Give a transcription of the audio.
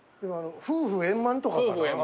夫婦円満とかかな。